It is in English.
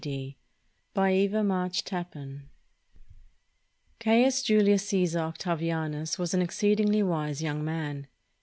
D.] BY EVA MARCH TAPPAN Caius Julius Cjesar Octavianus was an exceed ingly wise young man.